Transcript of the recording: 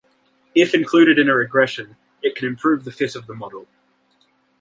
If included in a regression, it can improve the fit of the model.